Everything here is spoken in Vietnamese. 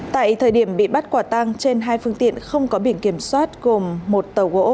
tại thời điểm bị bắt quả tang trên hai phương tiện không có biển kiểm soát gồm một tàu gỗ